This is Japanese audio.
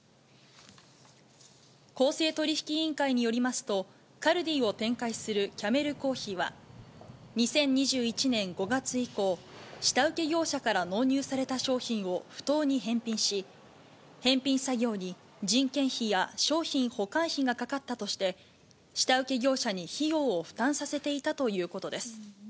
公正取引委員会によりますと、カルディを展開するキャメル珈琲は、２０２１年５月以降、下請け業者から納入された商品を不当に返品し、返品作業に人件費や商品保管費がかかったとして、下請け業者に費用を負担させていたということです。